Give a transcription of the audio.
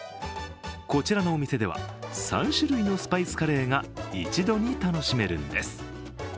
こちらのお店では３種類のスパイスカレーが一度に楽しめるんです。